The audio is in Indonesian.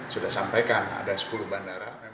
sudah sampaikan ada sepuluh bandara